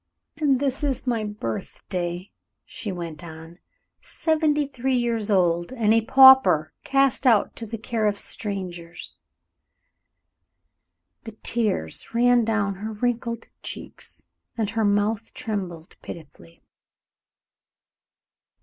"And this is my birthday," she went on. "Seventy three years old, and a pauper, cast out to the care of strangers." The tears ran down her wrinkled cheeks, and her mouth trembled pitifully.